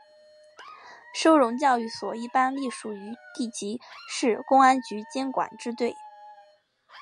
收容教育所一般隶属于地级市公安局监管支队。